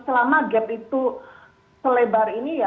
selama gap itu selebar ini ya